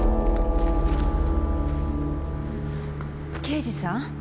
刑事さん